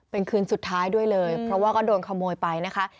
เป็นคืนสุดท้ายด้วยเลยเพราะว่าก็โดนขโมยไปนะคะ